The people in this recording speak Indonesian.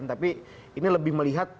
tapi ini lebih melihat